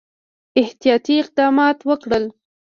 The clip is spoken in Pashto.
احتیاطي اقدمات وکړل.